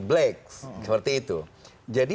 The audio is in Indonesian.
black seperti itu jadi